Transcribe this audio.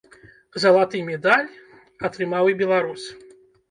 Залаты медаль атрымаў і беларус.